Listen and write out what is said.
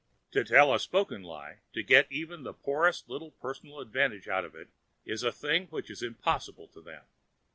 To tell a spoken lie to get even the poorest little personal advantage out of it is a thing which is impossible to them.